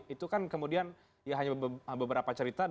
itu kan kemudian ya hanya beberapa cerita